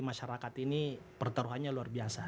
masyarakat ini pertaruhannya luar biasa